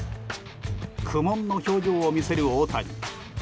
苦悶の表情を見せる大谷。